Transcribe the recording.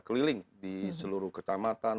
keliling di seluruh kecamatan